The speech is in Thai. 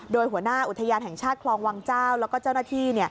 โดยหัวหน้าอุทยานแห่งชาติคลองวังเจ้าแล้วก็เจ้าหน้าที่